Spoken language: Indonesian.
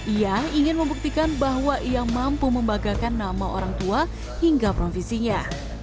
ia ingin membuktikan bahwa ia mampu membagakan nama orang tua hingga profesinya